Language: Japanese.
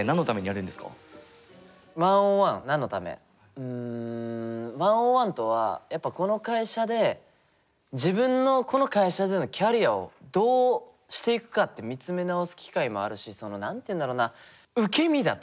１ｏｎ１何のためうん１ｏｎ１とはやっぱこの会社で自分のこの会社でのキャリアをどうしていくかって見つめなおす機会もあるしその何て言うんだろうな。